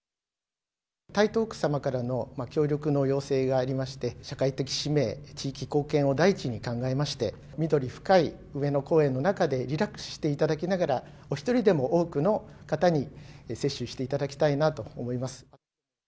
台東区様からの協力の要請がありまして、社会的使命、地域貢献を第一に考えまして、緑深い上野公園の中でリラックスしていただきながら、お一人でも多くの方に接種していただきたいなと思います。